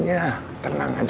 ya tenang aja